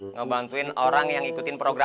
ngebantuin orang yang ikutin program